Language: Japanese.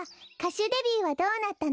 しゅデビューはどうなったの？